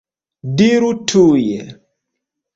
Diru tuj!